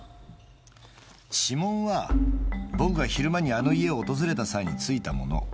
指紋は僕が昼間にあの家を訪れた際についたもの。